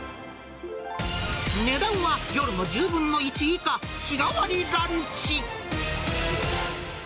値段は夜の１０分の１以下、日替わりランチ。